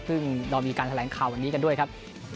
ซึ่งเรามีการแถลงข่าววันนี้กันด้วยครับ